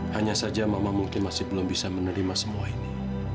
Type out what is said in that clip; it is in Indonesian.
hanya saja mama mungkin masih belum bisa menerima semua ini